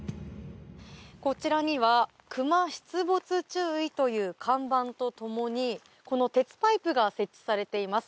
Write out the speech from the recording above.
こちらにはクマ出没注意という看板と共に鉄パイプが設置されています。